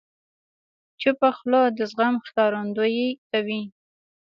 چپه خوله، د زغم ښکارندویي کوي.